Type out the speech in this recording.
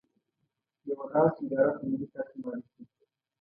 يوه داسې اداره په ملي کچه معرفي کړو.